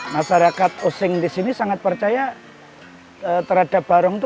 masyarakat osing disini sangat percaya terhadap barong itu